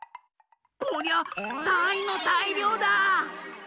こりゃたいのたいりょうだ！